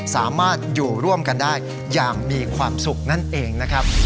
สามารถอยู่ร่วมกันได้อย่างมีความสุขนั่นเองนะครับ